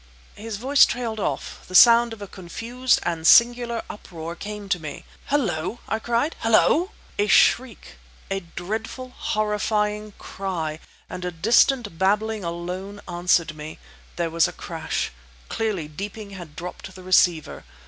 His voice trailed off. The sound of a confused and singular uproar came to me. "Hullo!" I cried. "Hullo!" A shriek—a deathful, horrifying cry—and a distant babbling alone answered me. There was a crash. Clearly, Deeping had dropped the receiver.